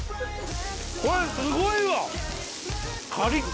これすごいわ！